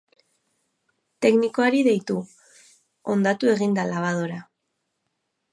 Teknikoari deitu, hondatu egin da labadora.